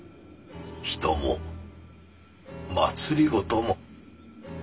人も政も。